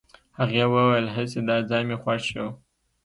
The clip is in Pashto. هغې وويل هسې دا ځای مې خوښ شو.